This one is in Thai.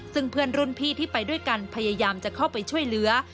ซึ่งเพื่อนรุ่นพี่ที่ไปด้วยกันพยายามจะเข้าไปช่วยเหลือ